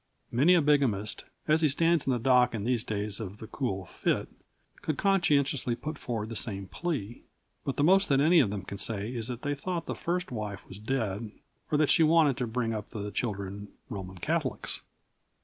Many a bigamist, as he stands in the dock in these days of the cool fit, could conscientiously put forward the same plea. But the most that any of them can say is that they thought the first wife was dead or that she wanted to bring up the children Roman Catholics.